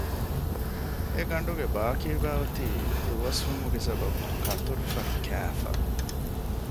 އެ ގަނޑުގެ ބާކީބައި އޮތީ ދުވަސްވުމުގެ ސަބަބުން ކަތުރުފަނި ކައިފަ